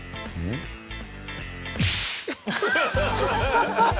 ハハハハ！